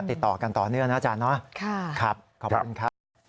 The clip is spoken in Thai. ติดต่อกันต่อเนื่องนะอาจารย์เนาะครับขอบคุณครับ